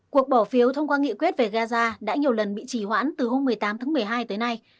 cuộc bỏ phiếu thông qua nghị quyết về gaza đã nhiều lần bị trì hoãn từ hôm một mươi tám tháng một mươi hai tới nay